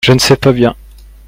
je ne sais pas bien.